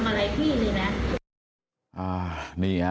คันไม่ได้อยากทำอะไรพี่เลยนะ